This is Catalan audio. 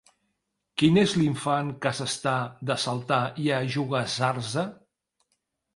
Quin és l'infant, que s'està de saltar i ajogassar-se?